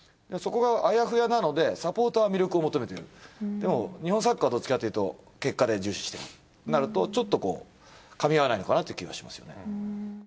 そこがあやふやなのでサポーターは魅力を求めてるでも日本サッカーはどっちかっていうと結果で重視してるってなるとちょっとかみ合わないのかなっていう気がしますよね。